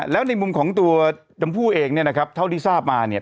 แล้วในมุมของตัวชมพู่เองเนี่ยนะครับเท่าที่ทราบมาเนี่ย